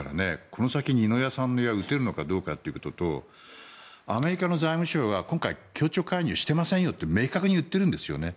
この先、二の矢三の矢を打てるかどうかということとアメリカの財務省は今回、協調介入してませんよって明確に言っているんですよね。